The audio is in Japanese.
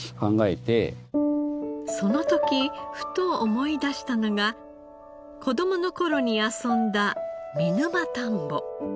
その時ふと思い出したのが子供の頃に遊んだ見沼たんぼ。